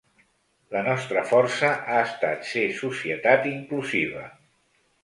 La nostra força ha estat ser societat inclusiva.